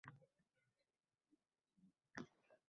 Tizim oldiga juda muhim maqsad va vazifalar qoʻyilgan.